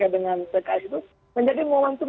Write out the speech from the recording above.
dengan pks itu menjadi momentum